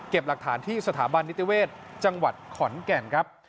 หลักฐานที่สถาบันนิติเวศจังหวัดขอนแก่นครับ